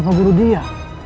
kenapa guru dia